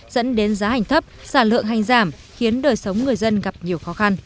dẫn đến giá hành thấp sản lượng hành giảm khiến đời sống người dân gặp nhiều khó khăn